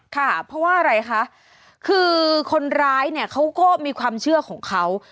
ค่ะเพราะว่าอะไรคะคือคนร้ายเนี่ยเขาก็มีความเชื่อของเขา